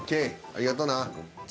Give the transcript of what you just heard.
ありがとうな。